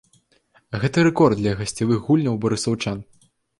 Гэта рэкорд для гасцявых гульняў барысаўчан.